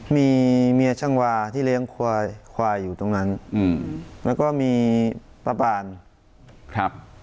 มีเมียช่างวาที่เลี้ยงควายควายอยู่ตรงนั้นอืมแล้วก็มีป้าปานครับ